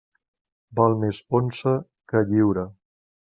Val més onça que lliura.